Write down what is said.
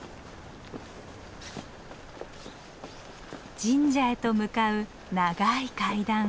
神社へと向かう長い階段。